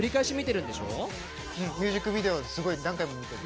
うんミュージックビデオすごい何回も見てる。